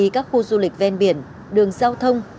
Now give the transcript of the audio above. các khu du lịch ven biển đường giao thông